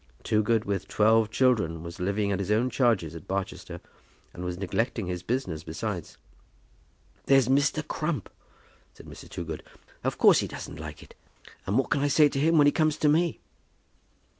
Toogood with twelve children was living at his own charges at Barchester, and was neglecting his business besides. "There's Mr. Crump," said Mrs. Toogood. "Of course he doesn't like it, and what can I say to him when he comes to me?"